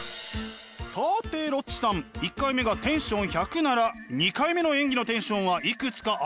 さてロッチさん１回目がテンション１００なら２回目の演技のテンションはいくつか当ててください。